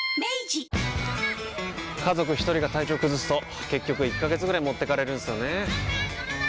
家族一人が体調崩すと結局１ヶ月ぐらい持ってかれるんすよねー。